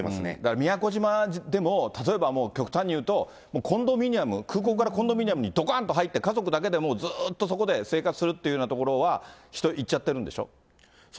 宮古島でも、例えばもう極端にいうとコンドミニアム、空港からコンドミニアムにどかんと入って家族だけでずっとそこで生活するっていうような所は、人行っちゃってるんでしょう。